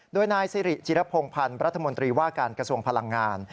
โดยนายสิริจิรพงพันธ์รัฐมนตรีว่าการกระทรวงพลังงาน